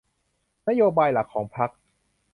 นโยบายหลักของพรรค